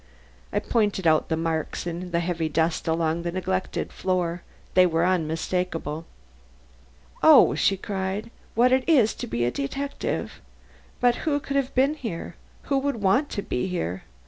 I pointed out the marks in the heavy dust of the long neglected floor; they were unmistakable. "Oh!" she cried, "what it is to be a detective! But who could have been here? Who would want to be here?